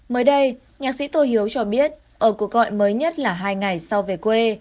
mới đây nhạc sĩ tô hiếu cho biết ở cuộc gọi mới nhất là hai ngày sau về quê